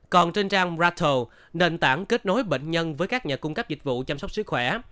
còn trên trang ratal nền tảng kết nối bệnh nhân với các nhà cung cấp dịch vụ chăm sóc sức khỏe